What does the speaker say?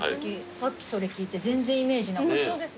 さっきそれ聞いて全然イメージなかった。